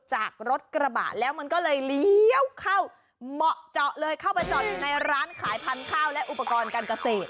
จากรถกระบะแล้วมันก็เลยเลี้ยวเข้าเหมาะเจาะเลยเข้าไปจอดอยู่ในร้านขายพันธุ์ข้าวและอุปกรณ์การเกษตร